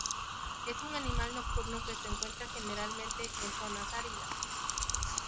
Es un animal nocturno que se encuentra generalmente en zonas áridas.